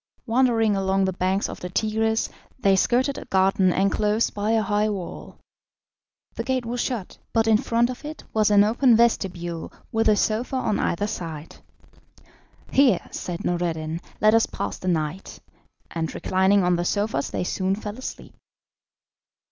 Wandering along the banks of the Tigris, they skirted a garden enclosed by a high wall. The gate was shut, but in front of it was an open vestibule with a sofa on either side. "Here," said Noureddin, "let us pass the night," and reclining on the sofas they soon fell asleep.